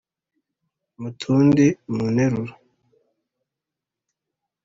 mu tundi mu nteruro